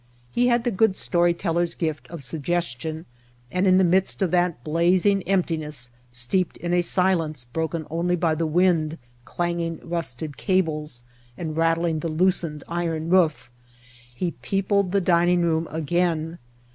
He had the good story teller's gift of suggestion and in the midst of that blazing emptiness steeped in a silence broken only by the wind clanging rusted cables and rattling the loosened iron roof, he peopled the dining room again.